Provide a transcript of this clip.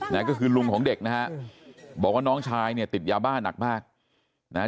นะก็คือลุงของเด็กนะฮะบอกว่าน้องชายเนี่ยติดยาบ้าหนักมากนะฮะ